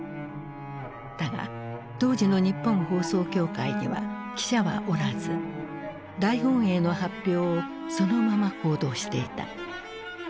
だが当時の日本放送協会には記者はおらず大本営の発表をそのまま報道していた。